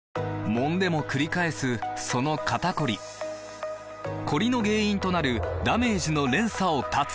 もんでもくり返すその肩こりコリの原因となるダメージの連鎖を断つ！